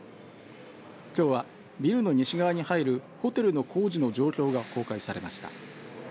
きょうはビルの西側に入るホテルの工事の状況が公開されました。